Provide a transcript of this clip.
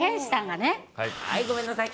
はい、ごめんなさい。